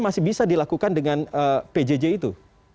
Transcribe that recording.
masih bisa dilakukan dengan pjj itu